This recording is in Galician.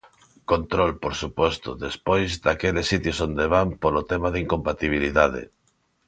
Control, por suposto, despois, daqueles sitios onde van, polo tema da incompatibilidade.